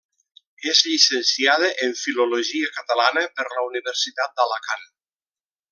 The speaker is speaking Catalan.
És llicenciada en filologia catalana per la Universitat d'Alacant.